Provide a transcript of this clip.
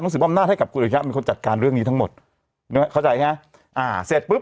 สิบอำนาจให้กับคุณอริยะเป็นคนจัดการเรื่องนี้ทั้งหมดนึกเข้าใจใช่ไหมอ่าเสร็จปุ๊บ